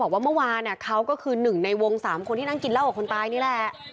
ว่าเมื่อวานเขาก็คือหนึ่งในวง๓คนที่นั่งกินเหล้ากับคนตายนี่แหละ